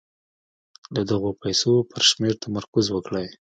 د دغو پيسو پر شمېر تمرکز وکړئ.